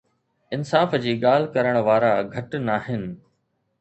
انصاف جي ڳالهه ڪرڻ وارا گهٽ ناهن.